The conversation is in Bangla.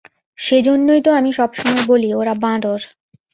সেজন্যই তো আমি সবসময় বলি ওরা বাঁদর।